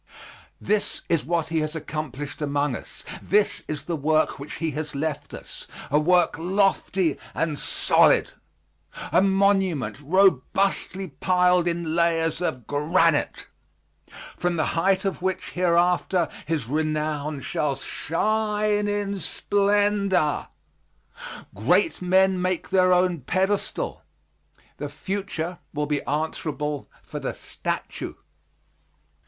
This is what he has accomplished among us, this is the work which he has left us, a work lofty and solid, a monument robustly piled in layers of granite, from the height of which hereafter his renown shall shine in splendor. Great men make their own pedestal, the future will be answerable for the statue.